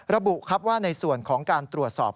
ระบุครับว่าในส่วนของการตรวจสอบ